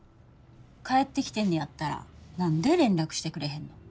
帰ってきてんねやったら何で連絡してくれへんの？